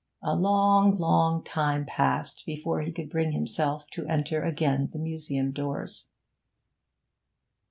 A long, long time passed before he could bring himself to enter again the museum doors.